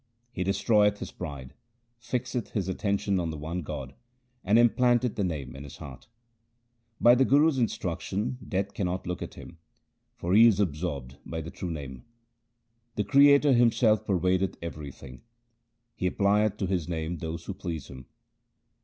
He destroyeth his pride, fixeth his attention on the one God, and implanteth the Name in his heart. By the Guru's instruction Death cannot look at him, for he is absorbed in the true Name. The Creator Himself pervadeth everything : He applieth to His name those who please Him.